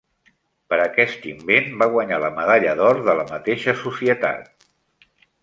Per aquest invent va guanyar la medalla d'or de la mateixa societat.